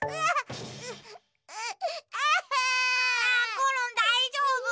コロンだいじょうぶ？